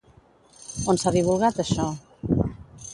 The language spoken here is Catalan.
On s'ha divulgat això?